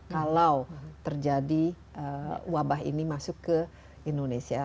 kalau terjadi wabah ini masuk ke indonesia